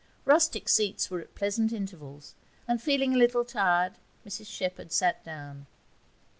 Rustic seats were at pleasant intervals, and, feeling a little tired, Mrs Shepherd sat down.